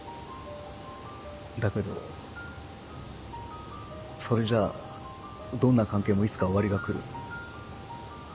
だけどそれじゃどんな関係もいつか終わりがくる。